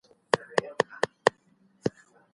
د غونډي په جریان کي موبایل ولي نه کارول کېږي؟